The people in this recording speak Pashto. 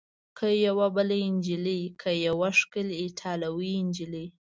که یوه بله نجلۍ؟ که یوه ښکلې ایټالوۍ نجلۍ؟